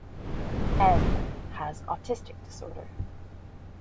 M has autistic disorder.